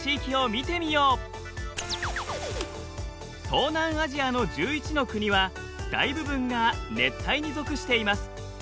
東南アジアの１１の国は大部分が熱帯に属しています。